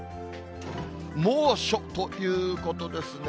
猛暑ということですね。